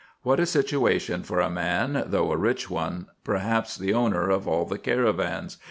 What a situation for a man, though a rich one, perhaps the owner of all the caravans